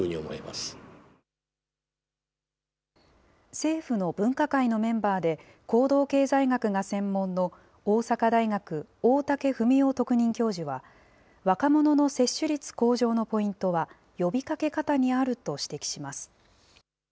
政府の分科会のメンバーで行動経済学が専門の大阪大学、大竹文雄特任教授は、若者の接種率向上のポイントは呼びかけ方にあると指摘します。